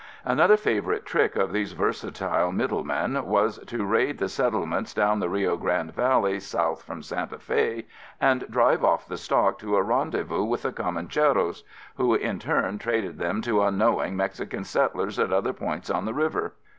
Another favorite trick of these versatile middle men was to raid the settlements down the Rio Grande Valley south from Santa Fe and drive off the stock to a rendezvous with the Comancheros, who in turn traded them to unknowing Mexican settlers at other points on the river.